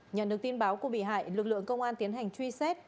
nhận được tin báo của bị hại lực lượng công an tiến hành truy xét